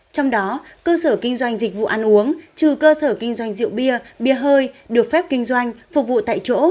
trong đó cơ sở kinh doanh dịch vụ ăn uống trừ cơ sở kinh doanh rượu bia bia hơi được phép kinh doanh phục vụ tại chỗ